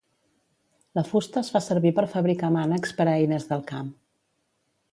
La fusta es fa servir per fabricar mànecs per a eines del camp.